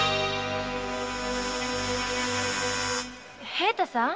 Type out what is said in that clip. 平太さん。